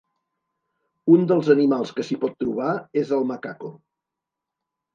Un dels animals que s'hi pot trobar és el macaco.